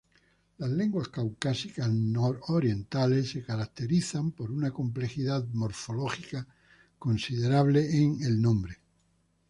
Las lenguas caucásicas nororientales se caracterizan por una complejidad morfológica considerable en el nombre.